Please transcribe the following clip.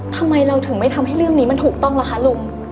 ทำไมเราถึงไม่ทำให้เรื่องนี้มันถูกต้องล่ะคะลุง